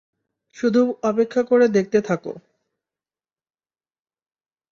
শুধু অপেক্ষা করে দেখতে থাকো।